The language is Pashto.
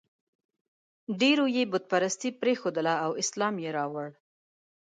ډېرو یې بت پرستي پرېښودله او اسلام یې راوړ.